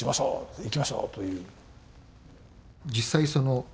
いきましょう」という。